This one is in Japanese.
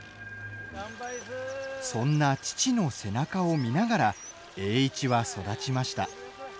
そんな父の背中を見ながら栄一は育ちました。